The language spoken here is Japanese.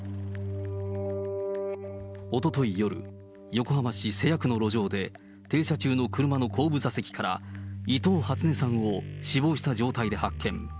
おととい夜、横浜市瀬谷区の路上で、停車中の車の後部座席から伊藤初音さんを死亡した状態で発見。